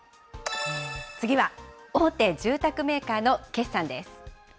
次は大手住宅メーカーの決算です。